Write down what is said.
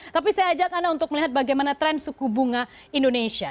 tapi saya ajak anda untuk melihat bagaimana tren suku bunga indonesia